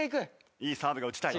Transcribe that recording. いいサーブが打ちたい。